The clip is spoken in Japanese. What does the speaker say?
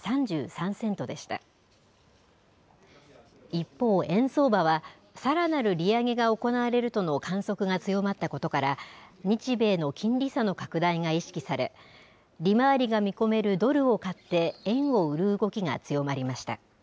一方、円相場はさらなる利上げが行われるとの観測が強まったことから日米の金利差の拡大が意識され利回りが見込めるドルを買って円を売る動きが強まりました。